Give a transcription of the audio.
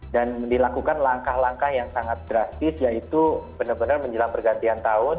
dan dilakukan langkah langkah yang sangat drastis yaitu benar benar menjelang pergantian tahun